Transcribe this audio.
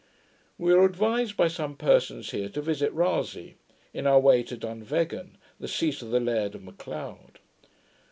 We were advised by some persons here to visit Rasay, in our way to Dunvegan, the seat of the Laird of Macleod.